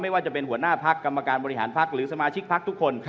ไม่ว่าจะเป็นหัวหน้าภักดิ์กรรมการบริหารภักดิ์หรือสมาชิกภักดิ์ทุกคน